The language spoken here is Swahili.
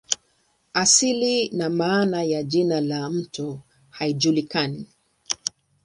Asili na maana ya jina la mto haijulikani.